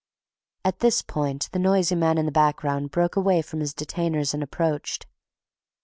At this point the noisy man in the background broke away from his detainers and approached.